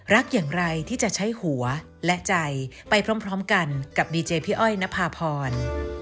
โปรดติดตามตอนต่อไป